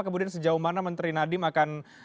kemudian sejauh mana menteri nadiem akan